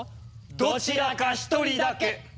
どちらか１人だけ。